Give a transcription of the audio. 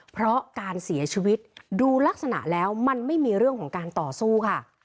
เพราะการเสียชีวิตดูลักษณะแล้วมันไม่มีเรื่องของการต่อสู้ค่ะ